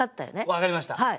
分かりました。